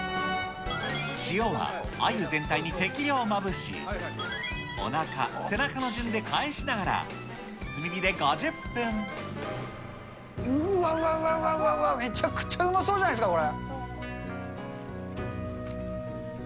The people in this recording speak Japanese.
塩はあゆ全体に適量まぶし、おなか、背中の順で返しながら、うわうわうわ、めちゃくちゃうまそうじゃないですか、これ。